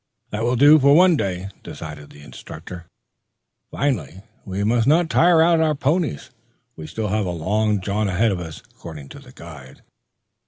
"That will do for one day," decided the instructor, finally. "We must not tire out our ponies, for we still have a long jaunt ahead of us, according to the guide."